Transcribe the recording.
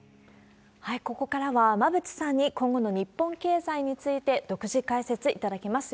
ここからは馬渕さんに、今後の日本経済について、独自解説いただきます。